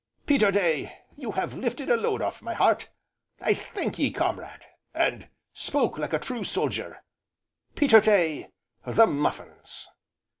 "Peterday, you have lifted a load off my heart I thank ye comrade, and spoke like a true soldier. Peterday the muffins!"